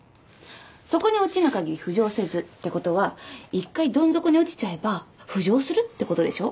「底に堕ちぬ限り浮上せず」ってことは一回どん底に落ちちゃえば浮上するってことでしょ？